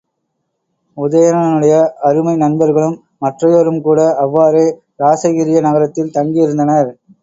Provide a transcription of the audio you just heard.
உதயணனுடைய அருமை நண்பர்களும் மற்றையோரும்கூட அவ்வாறே இராசகிரிய நகரத்தில் தங்கி இருந்தனர்.